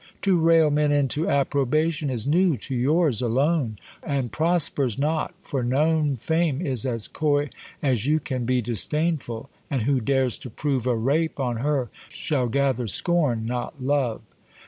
To rail men into approbation Is new to your's alone: And prospers not: for known, Fame is as coy, as you Can be disdainful; and who dares to prove A rape on her shall gather scorn not love.